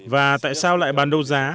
và tại sao lại bán đấu giá